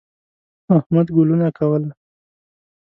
احمد ګلو نه کوله.